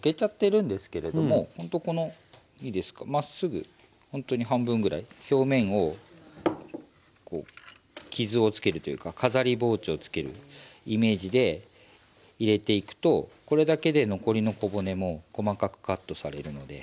ほんとこのいいですかまっすぐほんとに半分ぐらい表面をこう傷をつけるというか飾り包丁をつけるイメージで入れていくとこれだけで残りの小骨も細かくカットされるので。